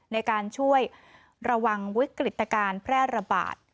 ในการช่วยระวังวิกฤตการณ์แพร่ระบาด